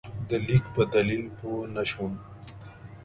د لیک په دلیل پوه نه شو.